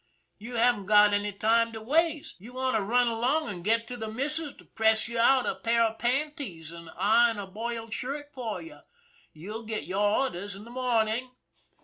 You haven't got any time to waste. You want to run along and get the 264 ON THE IRON AT BIG CLOUD missus to press out a pair of panties, and iron a boiled shirt for you. You'll get your orders in the morning."